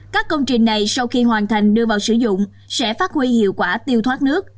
các công trình này sau khi hoàn thành đưa vào sử dụng sẽ phát huy hiệu quả tiêu thoát nước